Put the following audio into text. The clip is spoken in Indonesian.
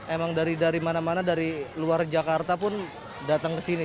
emang dari mana mana dari luar jakarta pun datang ke sini